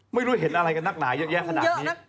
ไม่รู้เห็นอะไรกันหนักไหนมาแยกขนาดนี้